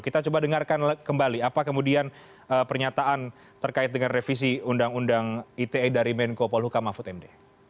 kita coba dengarkan kembali apa kemudian pernyataan terkait dengan revisi undang undang ite dari menko polhuka mahfud md